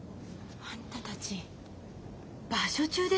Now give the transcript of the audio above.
あんたたち場所中でしょ！？